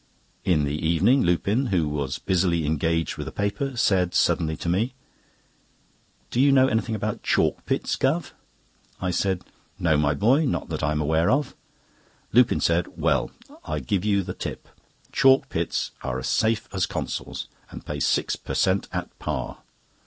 In the evening, Lupin, who was busily engaged with a paper, said suddenly to me: "Do you know anything about chalk pits, Guv.?" I said: "No, my boy, not that I'm aware of." Lupin said: "Well, I give you the tip; chalk pits are as safe as Consols, and pay six per cent. at par."